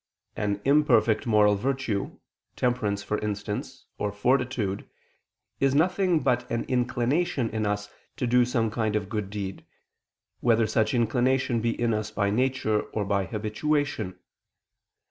An imperfect moral virtue, temperance for instance, or fortitude, is nothing but an inclination in us to do some kind of good deed, whether such inclination be in us by nature or by habituation.